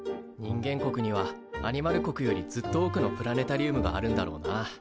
人間国にはアニマル国よりずっと多くのプラネタリウムがあるんだろうな。